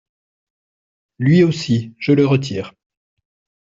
Lui aussi, je le retire.